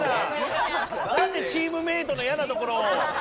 なんでチームメートの嫌なところを。